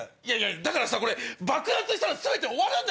だからさこれ爆発したら全て終わるんだよ？